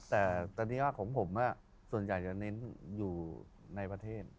แต่ตอนนี้ของผมส่วนใหญ่จะเน้นอยู่ในประเทศ